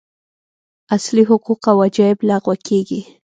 اصلي حقوق او وجایب لغوه کېږي.